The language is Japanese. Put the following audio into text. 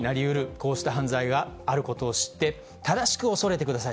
こうした犯罪があることを知って、正しく恐れてください。